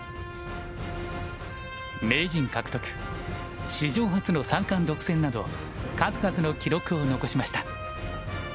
名人獲得史上初の三冠独占など数々の記録を残しました。